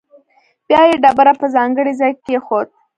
بیا یې ډبره په ځانګړي ځاې کې کېښوده.